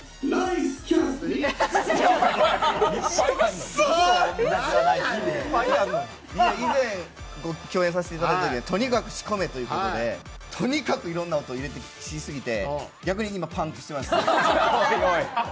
いや以前僕共演させていただいた時にとにかく仕込めという事でとにかくいろんな音入れてきすぎて逆に今パンクしてます。ハハハハ！